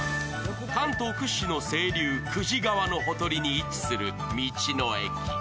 関東屈指の清流、久慈川のほとりに位置する道の駅。